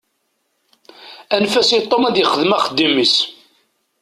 Anef-as i Tom ad ixdem axeddim-is.